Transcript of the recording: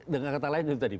dengan kata lain itu tadi